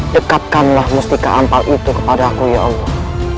dekatkanlah mustika ampal itu kepadaku ya allah